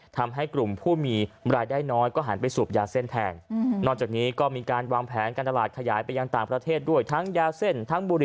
ทำให้กลุ่มผู้มีมารายได้น้อยไปหารสูบยาเส้นแทง